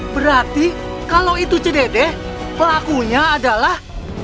berarti kalau itu cdt pelakunya adalah